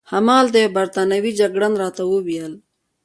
هماغلته یوه بریتانوي جګړن راته وویل.